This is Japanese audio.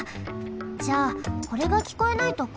じゃあこれがきこえないとこまるね。